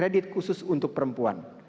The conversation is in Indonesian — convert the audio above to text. kredit khusus untuk perempuan